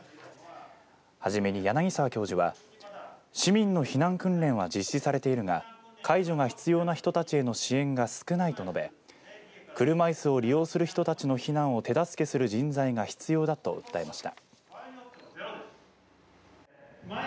はじめに、柳澤教授は市民の避難訓練は実施されているが介助が必要な人たちへの支援が少ないと述べ車いすを利用する人たちの避難を手助けする人材が必要だと訴えました。